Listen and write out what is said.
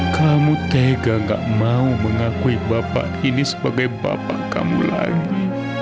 kamu tega gak mau mengakui bapak ini sebagai bapak kamu lagi